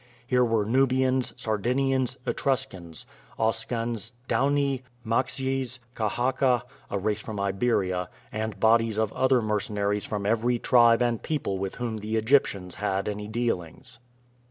Here were Nubians, Sardinians, Etruscans, Oscans, Dauni, Maxyes, Kahaka, a race from Iberia, and bodies of other mercenaries from every tribe and people with whom the Egyptians had any dealings.